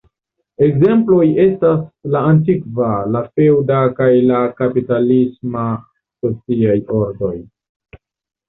Ekzemploj estas la antikva, la feŭda, kaj la kapitalisma sociaj ordoj.